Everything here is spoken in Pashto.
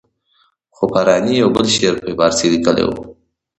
خو فاراني یو بل شعر په فارسي لیکلی وو.